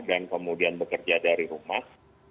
dan kemudian bekerja dari rumah